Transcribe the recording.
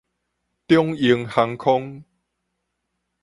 長榮航空